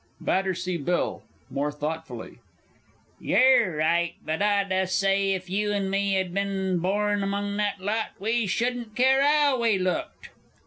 BATT. BILL (more thoughtfully). Yer right but I dessay if you and me 'ad been born among that lot, we shouldn't care 'ow we looked!